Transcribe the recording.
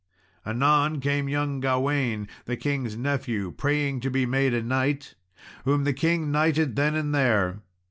Anon came young Gawain, the king's nephew, praying to be made a knight, whom the king knighted then and there.